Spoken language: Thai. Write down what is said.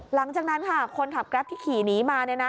หลังจากนั้นค่ะคนขับแกรปที่ขี่หนีมา